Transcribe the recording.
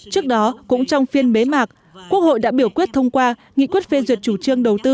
trước đó cũng trong phiên bế mạc quốc hội đã biểu quyết thông qua nghị quyết phê duyệt chủ trương đầu tư